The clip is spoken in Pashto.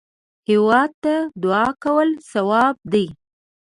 هېواد ته دعا کول ثواب دی